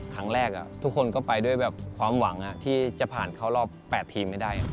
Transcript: ทุกคนก็ไปด้วยความหวังที่จะผ่านเข้ารอบ๘ทีมไม่ได้